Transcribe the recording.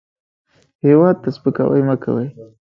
هېواد ته سپکاوی مه کوئ